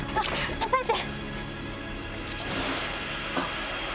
押さえて！